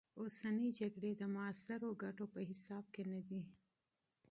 اوسنۍ جګړې د معاصرو ګټو په حساب کې نه دي.